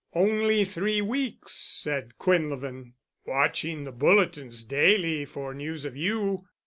"Only three weeks," said Quinlevin, "watching the bulletins daily for news of you.